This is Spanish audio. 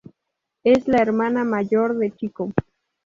Es la hermana mayor de Chico.